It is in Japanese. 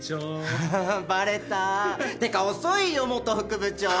フフフバレた？ってか遅いよ元副部長！